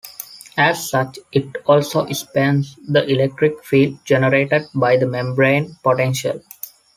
As such, it also spans the electric field generated by the membrane potential.